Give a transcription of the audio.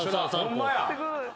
ホンマや。